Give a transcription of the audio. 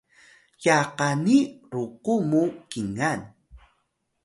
ya qani ruku mu kingan!